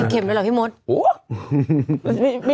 ๔๐เข็บหรอพี่มุฒิ